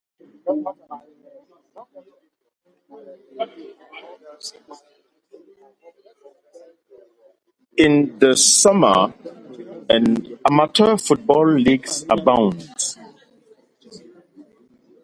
In the summer, amateur softball leagues abound.